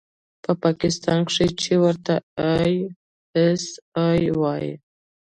په پاکستان کښې چې ورته آى اس آى وايي.